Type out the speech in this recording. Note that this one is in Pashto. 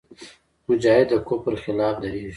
مجاهد د کفر خلاف درېږي.